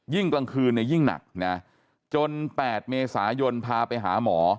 ยิ่งกลางคืนยิ่งหนักจน๘เมษายนพาไปหาหมอ